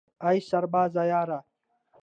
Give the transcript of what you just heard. ای سربازه یاره